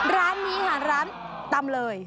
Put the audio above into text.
ร้านนี้ค่ะร้านตำเลย